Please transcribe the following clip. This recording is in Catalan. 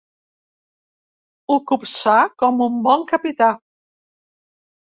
Ho copsà com un bon capità.